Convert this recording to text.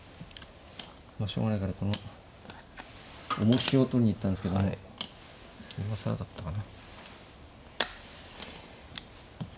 しょうがないからこのおもしを取りに行ったんですけども今更だったかな。